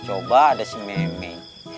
coba ada si memeng